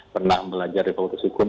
pernah belajar di fakultas hukum